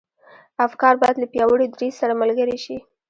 افکار بايد له پياوړي دريځ سره ملګري شي.